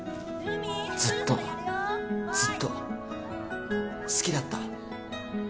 ずっとずっと好きだった